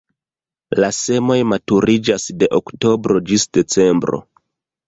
La semoj maturiĝas de oktobro ĝis decembro.